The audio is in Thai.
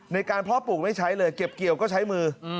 เพาะปลูกไม่ใช้เลยเก็บเกี่ยวก็ใช้มือ